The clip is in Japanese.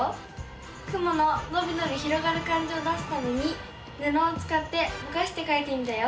雲ののびのび広がる感じを出すためにぬのをつかってぼかしてかいてみたよ。